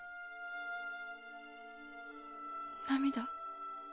涙。